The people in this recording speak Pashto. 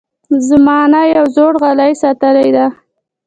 زما انا یو زوړ غالۍ ساتلی دی.